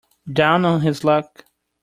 Down on his luck.